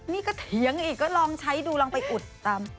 นี่ก็เถียงอีกก็ลองใช้ดูลองไปอุดตาม